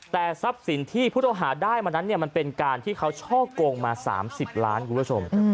แต่ทรัพย์สินที่ผู้ต้องหาได้มานั้นมันเป็นการที่เขาช่อกงมา๓๐ล้านคุณผู้ชม